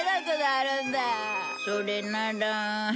それなら。